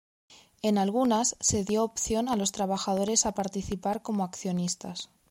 En algunas se dio opción a los trabajadores a participar como accionistas.